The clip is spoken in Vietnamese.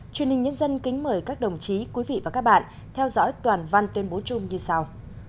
truyền hình nhân dân kính mời các đồng chí quý vị và các bạn theo dõi toàn văn tuyên bố chung như sau